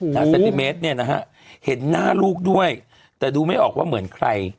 เซนติเมตรเนี่ยนะฮะเห็นหน้าลูกด้วยแต่ดูไม่ออกว่าเหมือนใคร